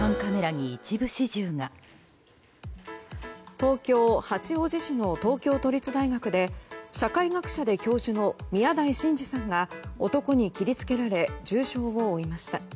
東京・八王子市の東京都立大学で社会学者で教授の宮台真司さんが男に切りつけられ重傷を負いました。